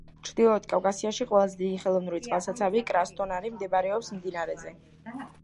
ჩრდილოეთ კავკასიაში ყველაზე დიდი ხელოვნური წყალსაცავი კრასნოდარი მდებარეობს მდინარეზე.